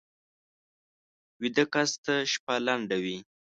ویده کس ته شپه لنډه وي